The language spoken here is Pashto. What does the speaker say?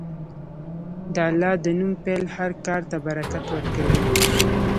د الله د نوم پیل هر کار ته برکت ورکوي.